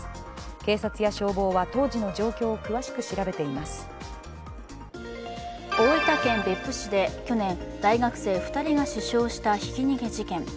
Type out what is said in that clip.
警察や消防は当時の状況を詳しく調べています大分県別府市で去年、大学生２人が死傷したひき逃げ事件。